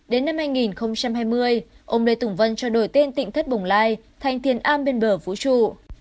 đến năm hai nghìn hai mươi ông lê tùng vân cho đổi tên tịnh thất bồng lai thành tiền am bên bờ vũ trụ